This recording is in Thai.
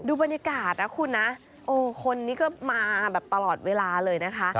บรรยากาศนะคุณนะโอ้คนนี้ก็มาแบบตลอดเวลาเลยนะคะ